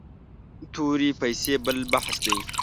تورې پیسې بل بحث دی.